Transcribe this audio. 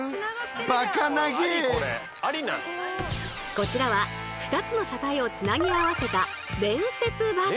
こちらは２つの車体をつなぎ合わせた連節バス！